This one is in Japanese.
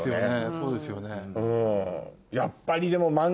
そうですよね。